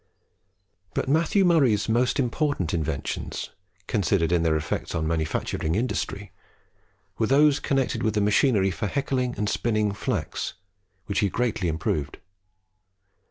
But Matthew Murray's most important inventions, considered in their effects on manufacturing industry, were those connected with the machinery for heckling and spinning flax, which he very greatly improved.